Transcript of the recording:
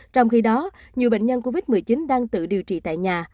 trong khi đó nhiều bệnh nhân covid một mươi chín đang tự điều trị tại nhà